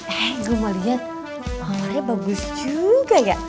eh gue mau liat mawarnya bagus juga ya